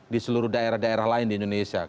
di seluruh daerah daerah lain di indonesia